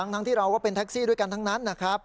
ทั้งที่เราก็เป็นทักซี่ด้วยกันทั้งนั้น